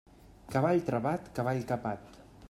Cavall travat, cavall capat.